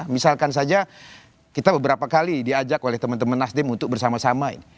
misalkan saja kita beberapa kali diajak oleh teman teman nasdem untuk bersama sama